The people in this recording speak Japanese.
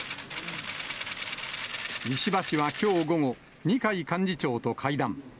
石破氏はきょう午後、二階幹事長と会談。